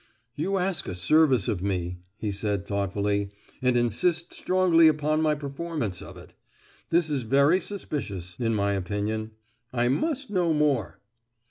"You ask a service of me," he said thoughtfully, "and insist strongly upon my performance of it. This is very suspicious, in my opinion; I must know more."